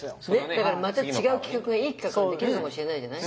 だからまた違う企画がいい企画ができるかもしれないじゃない。